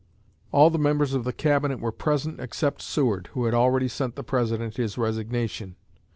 All the members of the Cabinet were present except Seward, who had already sent the President his resignation.